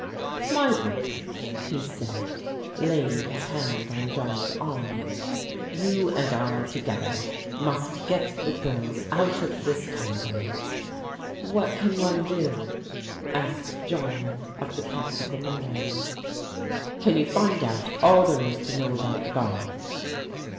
My boy," he said, laying his hand on John's arm, "you and I, together, must get the girls out of this tangle." "What can one do?" asked John of the practical mind. " Can you find out all there is to know about Barnes